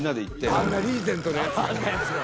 あんなリーゼントの奴がね。